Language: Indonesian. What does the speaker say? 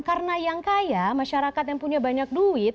karena yang kaya masyarakat yang punya banyak duit